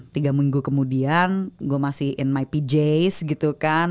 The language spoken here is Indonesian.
tiga minggu kemudian gue masih in myp jazz gitu kan